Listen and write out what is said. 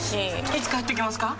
いつ帰ってきますか？